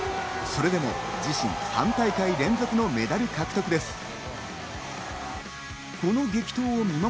それでも自身３大会連続のメダル獲得です。